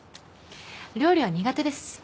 料理は苦手です。